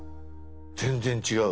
全然違う！